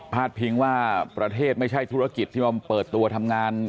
พิงว่าประเทศไม่ใช่ธุรกิจที่มาเปิดตัวทำงาน